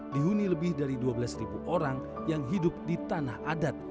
dihuni lebih dari dua belas orang yang hidup di tanah adat